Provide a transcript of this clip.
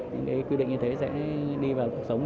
những cái quy định như thế sẽ đi vào cuộc sống